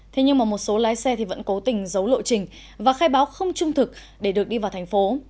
thế nhưng mà một số lái xe thì vẫn cố tình giấu lộ trình và khai báo không trung thực để được đi vào thành phố